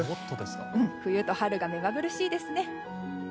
冬と春が目まぐるしいですね。